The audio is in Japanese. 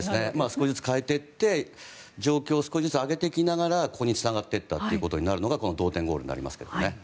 少しずつ変えていって状況を少しずつ上げていきながらここにつながっていったということになるのが同点ゴールになりますね。